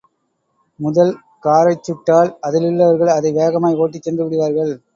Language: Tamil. முதல் காரைச் சுட்டால் அதிலுள்ளவர்கள் அதை வேகமாய் ஓட்டிச் சென்று விடுவார்கள்.